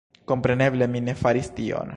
Kompreneble, mi ne faris tion